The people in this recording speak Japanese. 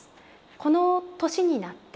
「この年になって」